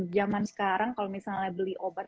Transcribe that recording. zaman sekarang kalau misalnya beli obat